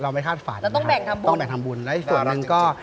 แล้วต้องแบ่งทำบุญน่ารักจริงบ๊วยบ๊วยบ๊วยต้องแบ่งทำบุญแล้วอีกส่วนหนึ่งก็